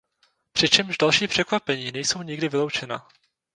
Přičemž další překvapení nejsou nikdy vyloučena.